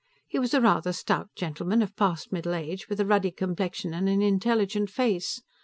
He was a rather stout gentleman, of past middle age, with a ruddy complexion and an intelligent face.